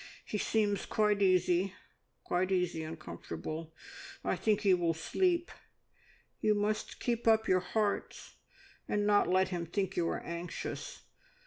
He seems quite easy quite easy and comfortable. I think he will sleep. You must keep up your hearts, and not let him think you are anxious.